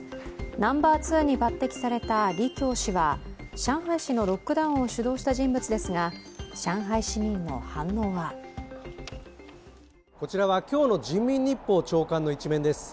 ナンバー２に抜てきされた李強氏は上海市のロックダウンを主導した人物ですが、上海市民の反応はこちらは今日の「人民日報」朝刊の一面です。